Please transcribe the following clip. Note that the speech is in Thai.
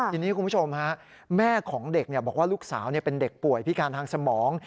ทีนี้คุณผู้ชมฮะแม่ของเด็กบอกว่าลูกสาวเป็นเด็กป่วยพิการทางสมอง